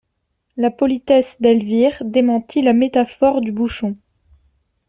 La politesse d'Elvire démentit la métaphore du bouchon.